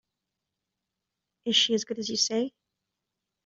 Is she as good as you say?